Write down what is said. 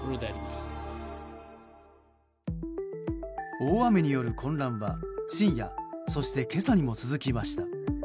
大雨による混乱は深夜、そして今朝にも続きました。